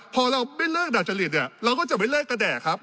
พอเราไม่เลิกดัจจริตเนี่ยเราก็จะไม่เลิกกระแดกครับ